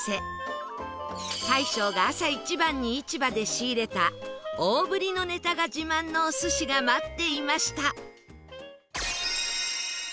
大将が朝一番に市場で仕入れた大ぶりのネタが自慢のお寿司が待っていました